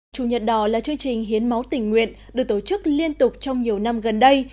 chủ nhật đỏ là chương trình hiến máu tình nguyện được tổ chức liên tục trong nhiều năm gần đây